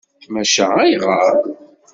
Maca ayɣer?